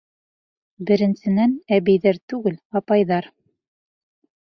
Беренсенән, әбейҙәр түгел, апайҙар!